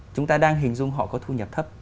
chúng ta đang hình dung họ có thu nhập thấp